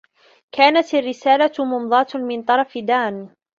كانت الرّسالة مُمضاة من طرف دان.